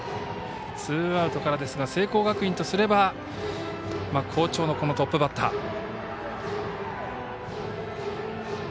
ツーアウトからですが聖光学院からすれば好調のトップバッター。